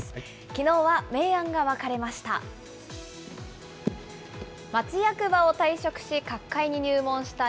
きのうは明暗が分かれました。